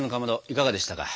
いかがでしたか？